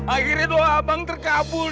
akhirnya tuh abang terkabul